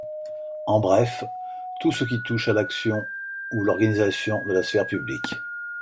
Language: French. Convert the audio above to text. En bref, tout ce qui touche l'action ou l'organisation de la sphère publique.